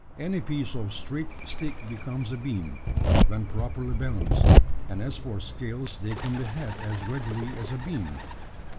Any piece of straight stick becomes a beam, when properly balanced; and as for scales, they can be had as readily as a beam."